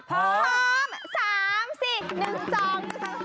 พร้อม